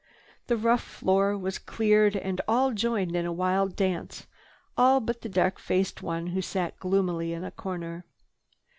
The rough floor was cleared and all joined in a wild dance—all but the dark faced one who sat gloomily in a corner.